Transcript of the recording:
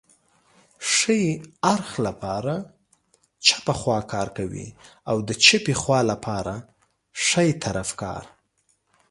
ښي اړخ لپاره چپه خواکار کوي او د چپې خوا لپاره ښی طرف کار